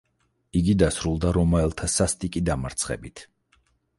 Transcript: იგი დასრულდა რომაელთა სასტიკი დამარცხებით.